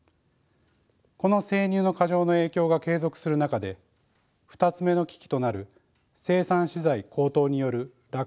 この生乳の過剰の影響が継続する中で２つ目の危機となる生産資材高騰による酪農家の所得減少が起きます。